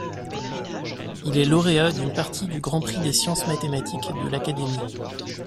Il est lauréat d'une partie du grand prix des sciences mathématiques de l'Académie.